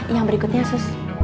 yang berikutnya sus